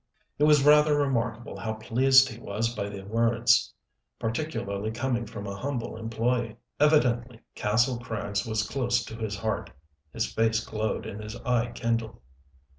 It was rather remarkable how pleased he was by the words particularly coming from a humble employee. Evidently Kastle Krags was close to his heart. His face glowed and his eye kindled.